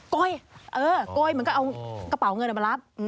โกยเออโกยเหมือนกับเอากระเป๋าเงินมารับ